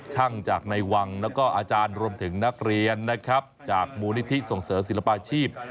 ช่างจากในวังแล้วก็อาจารย์รวมถึงนักเรียนนะครับจากมูลนิธิส่งเสริมศิลปาชีพ